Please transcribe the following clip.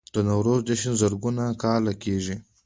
د نوروز جشن زرګونه کاله کیږي